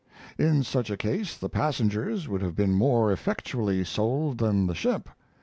In such a case the passengers would have been more effectually sold than the ship.